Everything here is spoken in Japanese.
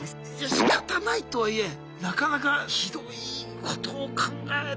しかたないとはいえなかなかひどいことを考えながら選ぶんだなって。